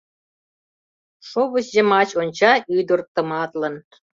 Шовыч йымач онча ӱдыр тыматлын.